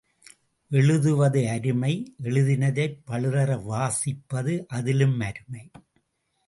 எழுதுவது அருமை எழுதினதைப் பழுதற வாசிப்பது அதிலும் அருமை.